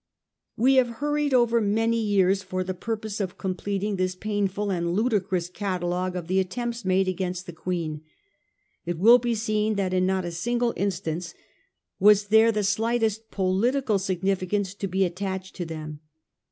We have hurried over many years for the purpose of completing this painful and ludicrous catalogue of the attempts made against the Queen. It will be seen that in not a single instance was there the slightest political significance to be attached to them.